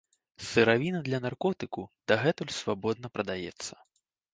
Сыравіна для наркотыку дагэтуль свабодна прадаецца.